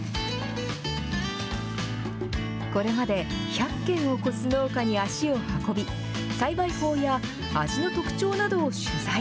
これまで１００軒を超す農家に足を運び、栽培法や味の特徴などを取材。